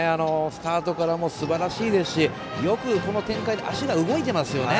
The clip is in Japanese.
スタートからすばらしいですしよくこの展開で足が動いてますよね。